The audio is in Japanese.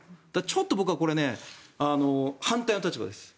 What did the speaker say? ちょっと僕はこれ、反対の立場です。